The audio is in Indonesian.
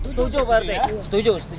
setuju pak rt setuju